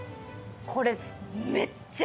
これ。